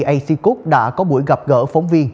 ac cook đã có buổi gặp gỡ phóng viên